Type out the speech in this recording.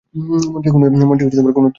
মন্ত্রী কোনো উত্তর দিলেন না।